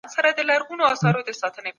چي جانان مري